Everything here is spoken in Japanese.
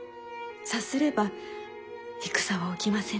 さすれば戦は起きませぬ。